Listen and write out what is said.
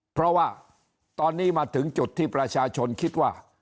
เพราะว่าตอนนี้มาถึงจุดที่ประชาชนคิดว่า